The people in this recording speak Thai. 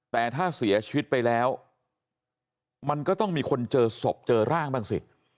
แต่ถ้าเสียชีวิตไปแล้วมันก็ต้องมีคนเจอศพเจอร่างบ้างสิ